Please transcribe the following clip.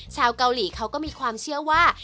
ชาวเกาหลีเขาก็มีความเชื่อว่า